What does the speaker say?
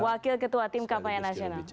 wakil ketua tim kampanye nasional